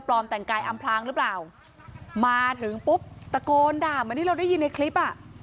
แต่งกายอำพลางหรือเปล่ามาถึงปุ๊บตะโกนด่าเหมือนที่เราได้ยินในคลิปอ่ะ